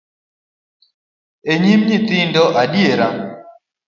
E nyim nyithindo adiera?